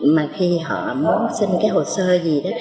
mà khi họ muốn xin cái hồ sơ gì đó